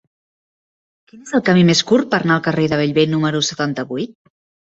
Quin és el camí més curt per anar al carrer de Bellver número setanta-vuit?